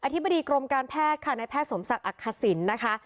ธิบดีกรมการแพทย์ค่ะในแพทย์สมศักดิ์อักษิณนะคะ